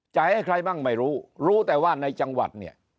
จ่ายให้ใครบ้างไม่รู้รู้แต่ว่าในจังหวัด